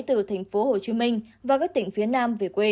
từ tp hcm và các tỉnh phía nam